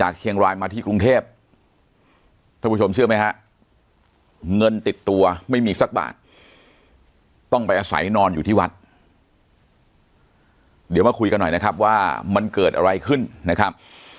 เดี๋ยวมาคุยกันหน่อยนะครับว่ามันเกิดอะไรขึ้นนะครับ